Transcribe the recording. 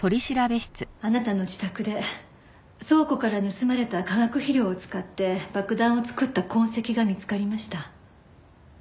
あなたの自宅で倉庫から盗まれた化学肥料を使って爆弾を作った痕跡が見つかりました。